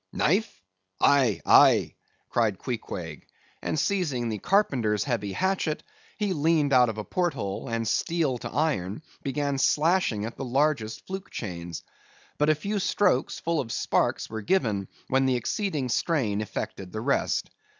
"Knife? Aye, aye," cried Queequeg, and seizing the carpenter's heavy hatchet, he leaned out of a porthole, and steel to iron, began slashing at the largest fluke chains. But a few strokes, full of sparks, were given, when the exceeding strain effected the rest.